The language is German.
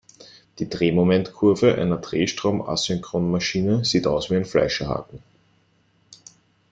Die Drehmomentkurve einer Drehstrom-Asynchronmaschine sieht aus wie ein Fleischerhaken.